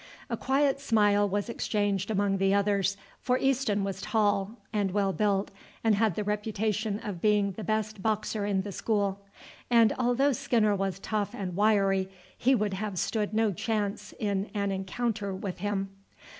A quiet smile was exchanged among the others, for Easton was tall and well built and had the reputation of being the best boxer in the school; and although Skinner was tough and wiry, he would have stood no chance in an encounter with him.